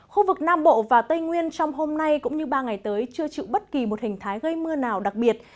khu vực nam bộ và tây nguyên trong hôm nay cũng như ba ngày tới chưa chịu bất kỳ một hình thái gây mưa nào đặc biệt